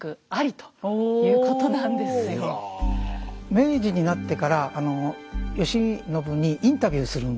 明治になってから慶喜にインタビューするんですね。